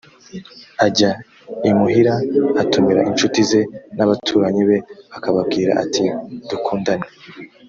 ajya imuhira atumira incuti ze n’abaturanyi be akababwira ati dukundane